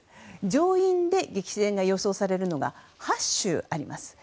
上院で激戦が予想されるのが８州あります。